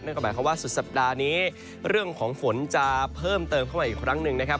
ก็หมายความว่าสุดสัปดาห์นี้เรื่องของฝนจะเพิ่มเติมเข้ามาอีกครั้งหนึ่งนะครับ